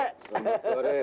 selamat sore nam